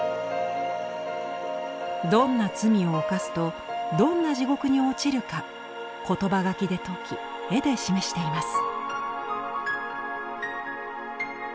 どんな罪を犯すとどんな地獄に落ちるかことば書きで説き絵で示しています。